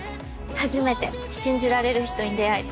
初めて信じられる人に出会えた。